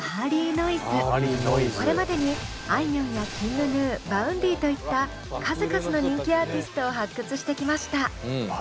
これまでにあいみょんやＫｉｎｇＧｎｕＶａｕｎｄｙといった数々の人気アーティストを発掘してきました。